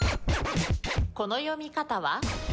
この読み方は？